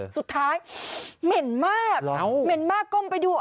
สุดท้ายเหม็นมากเหม็นมากก้มไปดู